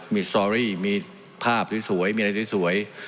มีสตอรี่มีภาพสวยมีอะไรสวย